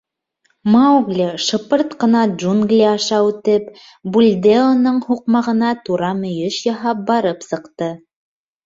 Маугли, шыпырт ҡына джунгли аша үтеп, Бульдеоның һуҡмағына тура мөйөш яһап барып сыҡты.